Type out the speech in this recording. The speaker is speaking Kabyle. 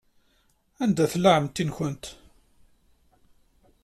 Anda tella ɛemmti-nwent?